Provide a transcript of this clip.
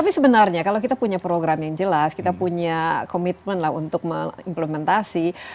tapi sebenarnya kalau kita punya program yang jelas kita punya komitmen lah untuk implementasi